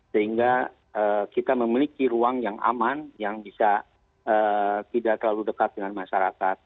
sehingga kita memiliki ruang yang aman yang bisa tidak terlalu dekat dengan masyarakat